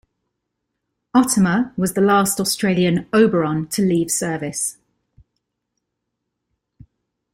"Otama" was the last Australian "Oberon" to leave service.